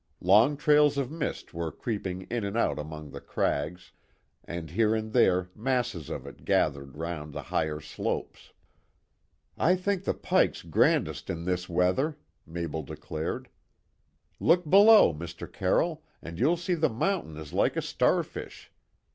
Long trails of mist were creeping in and out among the crags, and here and there masses of it gathered round the higher slopes. "I think the Pike's grandest in this weather," Mabel declared. "Look below, Mr. Carroll, and you'll see the mountain is like a starfish.